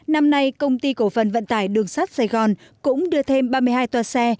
năm nay công ty cổ phần vận tải đường sắt sài gòn cũng đưa thêm ba mươi hai toa xe